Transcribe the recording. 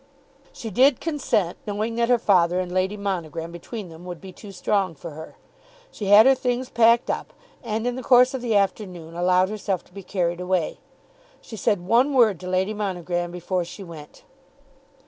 She did consent, knowing that her father and Lady Monogram between them would be too strong for her. She had her things packed up, and in the course of the afternoon allowed herself to be carried away. She said one word to Lady Monogram before she went.